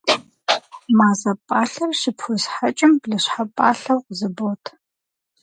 Мазэ пӏалъэр щыпхуесхьэкӏым, блыщхьэ пӏалъэу къызыбот.